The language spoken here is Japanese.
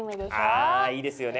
あいいですよね